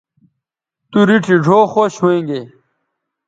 تو ریٹھی ڙھؤ خوشی ھویں گے